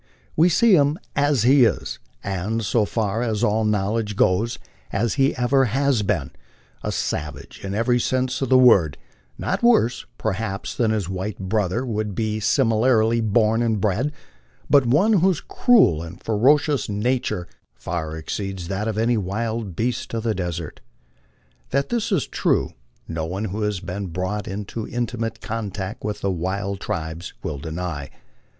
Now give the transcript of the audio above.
We see him as he is, and, so far as all knowledge goes, as he ever has been, a savage in every sense of the word ; not worse, perhaps, than his white brother would be similarly born and bred, but one whose cruel and ferocious nature far exceeds that of any wild beast of the desert. That this is true no one who has been brought into intimate contact with the wild tribes will deny.